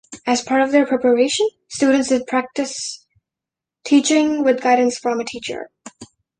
As part of their preparation, students did practice teaching with guidance from a teacher.